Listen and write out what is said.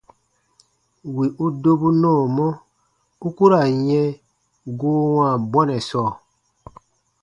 Wì u dobu nɔɔmɔ, u ku ra n yɛ̃ goo wãa bɔnɛ sɔɔ.